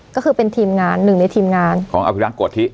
ก็คือเป็นทีมงานหนึ่งในทีมงานของอภิรักษ์โกธิ